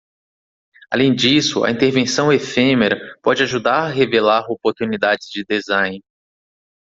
Além disso, a intervenção efêmera pode ajudar a revelar oportunidades de design.